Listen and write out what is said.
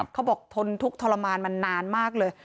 เขาบอกทนทุกข์ทรมานมานานมากเลย